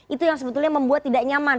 itu yang sebetulnya membuat tidak nyaman